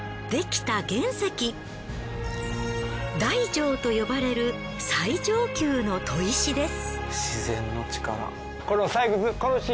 大上と呼ばれる最上級の砥石です。